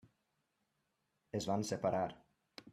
Es van separar.